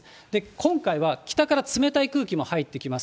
今回は北から冷たい空気も入ってきます。